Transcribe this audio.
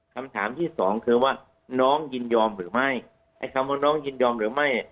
คำถามที่สองคือว่าน้องยินยอมหรือไม่ไอ้คำว่าน้องยินยอมหรือไม่